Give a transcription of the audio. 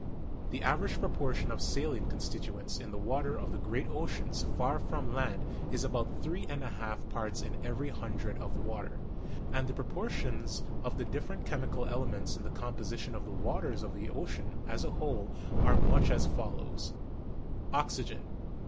The average proportion of saline constituents in the water of the great oceans far from land is about three and a half parts in every hundred of water; and the pro portions of the different chemical elements in the com position of the waters of the ocean as a whole are much as follows: Oxygen, 85.